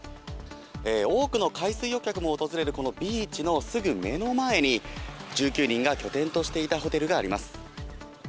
多くの海水浴客も訪れるこのビーチのすぐ目の前に１９人が拠点としていたホテルがあります。